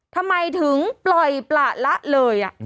ทำไมถึงปล่อยประละเลย